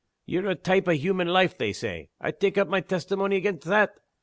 Ye're a type o' human life, they say. I tak' up my testimony against _that.